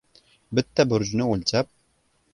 Bitta burjni o‘lchab